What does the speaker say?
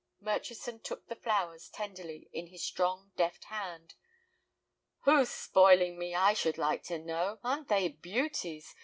Murchison took the flowers tenderly in his strong, deft hand. "Who's spoiling me, I should like to know? Aren't they beauties?